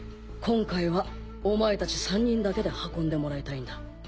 今回はお前たち３人だけで運んでもらいたいんだ。